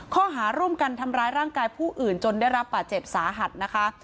ข้อหาร่วมกันทำร้ายร่างกายผู้อื่นจนได้รับบาดเจ็บสาหัสนะคะ